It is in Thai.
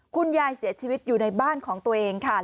คุณยายเสียชีวิตอยู่ในบ้านของตัวเองค่ะ